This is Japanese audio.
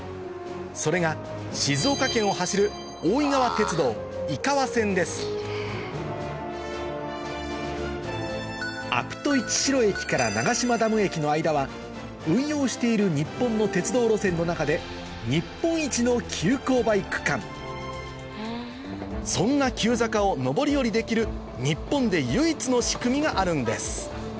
それが静岡県を走るアプトいちしろ駅から長島ダム駅の間は運用している日本の鉄道路線の中で日本一の急勾配区間そんな急坂を上り下りできる日本で唯一の仕組みがあるんです